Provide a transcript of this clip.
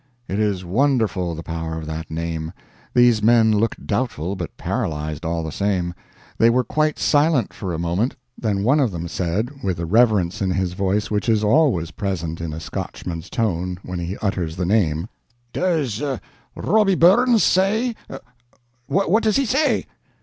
It is wonderful the power of that name. These men looked doubtful but paralyzed, all the same. They were quite silent for a moment; then one of them said with the reverence in his voice which is always present in a Scotchman's tone when he utters the name. "Does Robbie Burns say what does he say?"